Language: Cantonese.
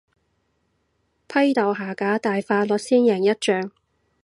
批鬥下架大法率先贏一仗